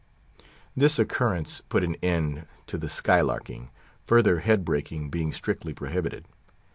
This occurrence put an end to the "skylarking," further head breaking being strictly prohibited.